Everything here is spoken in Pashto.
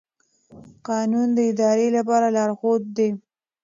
قانون د ادارې لپاره لارښود دی.